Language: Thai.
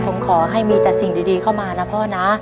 ผมขอให้มีแต่สิ่งดีเข้ามานะพ่อนะ